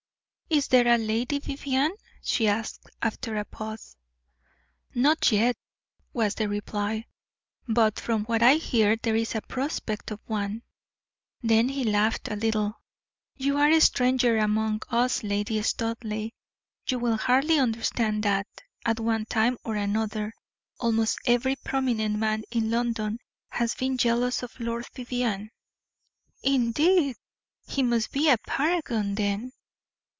"Is there a Lady Vivianne?" she asked, after a pause. "Not yet," was the reply; "but from what I hear there is a prospect of one." Then he laughed a little. "You are a stranger among us, Lady Studleigh; you will hardly understand that, at one time or another, almost every prominent man in London has been jealous of Lord Vivianne." "Indeed! He must be a paragon, then."